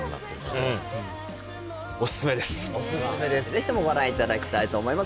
ぜひともご覧いただきたいと思います